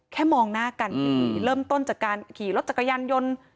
มองหน้ากันดีเริ่มต้นจากการขี่รถจักรยานยนต์